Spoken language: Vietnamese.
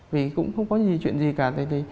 vì cũng không có gì chuyện gì cả